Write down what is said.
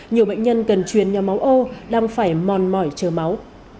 nhiều bệnh nhân cần truyền nhóm máu ô đang phải mòn mỏi chờ máu